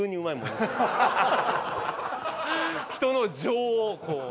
人の情をこう。